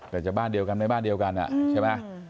แต่จะบ้านเดียวกันไม่บ้านเดียวกันใช่ไหม